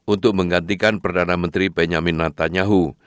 untuk menggantikan perdana menteri benjamin netanyahu